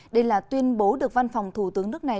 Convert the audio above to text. đây là tuyên bố được văn phòng thủ tướng nước này